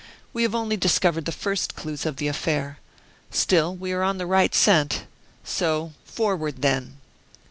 We have only discovered the first clues of the affair. Still, we are on the right scent so, forward then!"